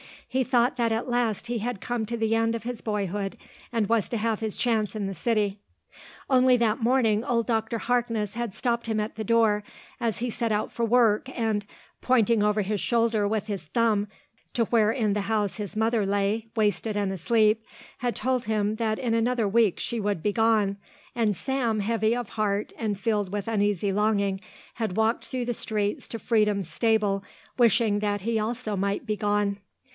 He thought that at last he had come to the end of his boyhood and was to have his chance in the city. Only that morning old Doctor Harkness had stopped him at the door as he set out for work and, pointing over his shoulder with his thumb to where in the house his mother lay, wasted and asleep, had told him that in another week she would be gone, and Sam, heavy of heart and filled with uneasy longing, had walked through the streets to Freedom's stable wishing that he also might be gone.